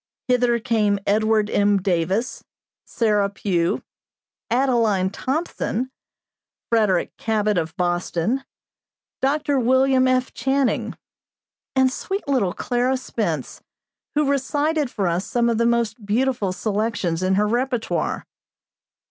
Hither came Edward M. Davis, Sarah Pugh, Adeline Thompson, Frederick Cabot of Boston, Dr. William F. Channing, and sweet little Clara Spence, who recited for us some of the most beautiful selections in her repertoire.